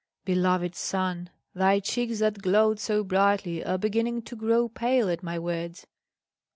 Beloved son, thy cheeks that glowed so brightly are beginning to grow pale at my words.